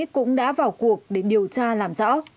cũng đã vào cuộc để điều tra làm rõ